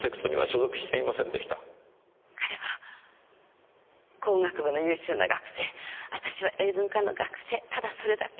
彼は工学部の優秀な学生私は英文科の学生ただそれだけ。